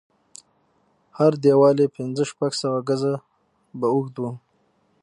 هر دېوال يې پنځه شپږ سوه ګزه به اوږد و.